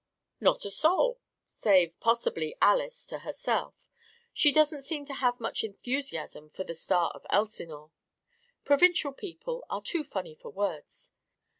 "Not a soul save, possibly, Alys to herself. She doesn't seem to have much enthusiasm for the Star of Elsinore. Provincial people are too funny for words.